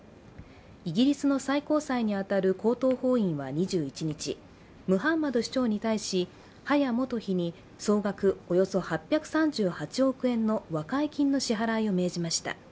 イギリスの最高裁に当たる高等法院は２１日、ムハンマド主張に対し、ハヤ元妃に総額およそ８３８億円に上る和解金の支払いを命じました。